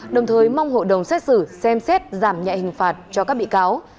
đồng thời mong hội đồng xét xử xem xét giảm nhẹ hình phạt cho các bị cáo